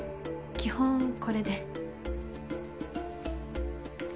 基本これで。